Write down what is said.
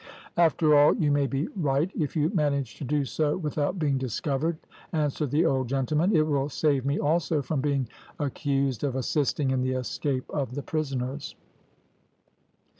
"`After all you may be right, if you manage to do so without being discovered,' answered the old gentleman. `It will save me also from being accused of assisting in the escape of the prisoners.'